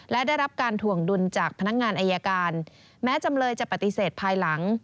และได้รับการถ่วงดุลจากพนักงานอายการแม้จำเลยจะปฏิเสธภายหลัง